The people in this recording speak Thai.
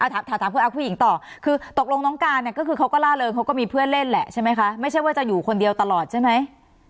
ถามคุณอาผู้หญิงต่อคือตกลงน้องการเนี่ยก็คือเขาก็ล่าเริงเขาก็มีเพื่อนเล่นแหละใช่ไหมคะไม่ใช่ว่าจะอยู่คนเดียวตลอดใช่ไหม